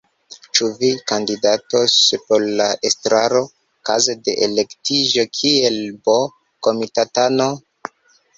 Ĉu vi kandidatos por la estraro, kaze de elektiĝo kiel B-komitatano?